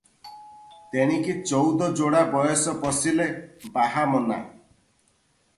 ତେଣିକି ଚଉଦ ଯୋଡ଼ା ବୟସ ପଶିଲେ ବାହା ମନା ।